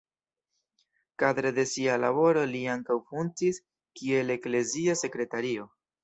Kadre de sia laboro li ankaŭ funkciis kiel eklezia sekretario.